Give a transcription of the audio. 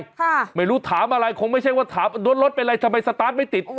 ค่ะไม่รู้ถามอะไรคงไม่ใช่ว่าถามรถรถเป็นอะไรทำไมสตาร์ทไม่ติด